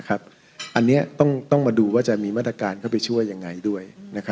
อันนี้ต้องมาดูว่าจะมีมาตรการเข้าไปช่วยยังไงด้วย